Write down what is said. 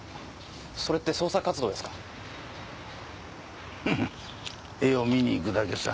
それって捜査活動ですか？